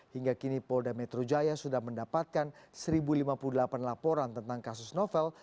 hingga kini polda metro jaya sudah mendapatkan satu lima puluh delapan laporan tentang kasus novel